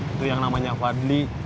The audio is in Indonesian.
itu yang namanya fadli